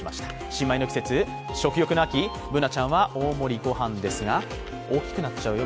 新米の季節、食欲の秋、Ｂｏｏｎａちゃんは大盛りご飯ですが大きくなっちゃうよ